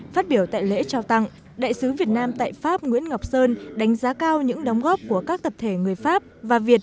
phát biểu tại lễ trao tặng đại sứ việt nam tại pháp nguyễn ngọc sơn đánh giá cao những đóng góp của các tập thể người pháp và việt